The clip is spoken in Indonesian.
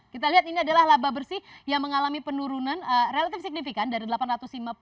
kita lihat ini adalah laba bersih yang mengalami penurunan relatif signifikan dari rp delapan ratus lima puluh